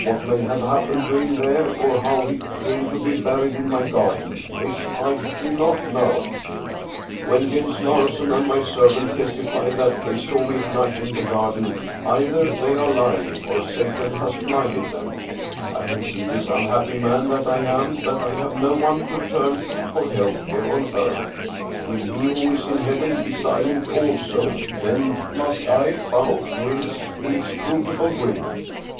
What may have happened to him there, or how he came to be buried in my garden, this I do not know. When Jens Larsen and my servant testify that they saw me at night in the gar den, either they are lying, or Satan has blinded them. I 291 Scandinavian Mystery Stories can see this unhappy man that I am that I have no one to turn to for help here on earth. Will He who is in heaven he silent also, then must I bow to His inscrutable will."